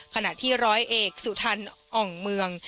ขณะที่ร้อยเอกสุทันอ่องเมือง